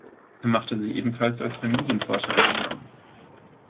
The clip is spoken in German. Er machte sich ebenfalls als Familienforscher einen Namen.